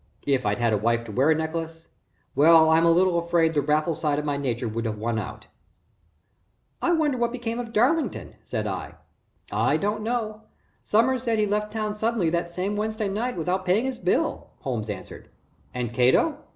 If I'd had a wife to wear a necklace well, I'm a little afraid the Raffles side of my nature would have won out." "I wonder whatever became of Darlington," said I. "I don't know. Sommers says he left town suddenly that same Wednesday night, without paying his bill," Holmes answered. "And Cato?"